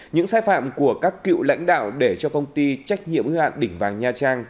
những sai phạm của các cựu lãnh đạo để cho công ty trách nhiệm ưu hạn đỉnh vàng nha trang